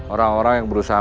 orang orang yang berusaha